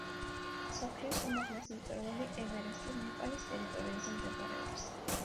მსოფლიოს უმაღლესი მწვერვალი ევერესტი ნეპალის ტერიტორიაზე მდებარეობს.